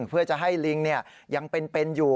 เพื่อจะให้ลิงยังเป็นอยู่